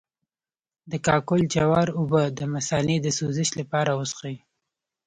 د کاکل جوار اوبه د مثانې د سوزش لپاره وڅښئ